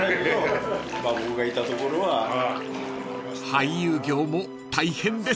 ［俳優業も大変です］